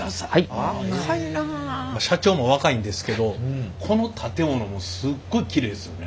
社長もお若いんですけどこの建物もすっごいきれいですよね。